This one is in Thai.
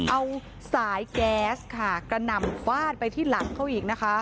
เอาสายแก๊สค่ะกระหน่ำฟาดไปที่หลังเขาอีกนะคะ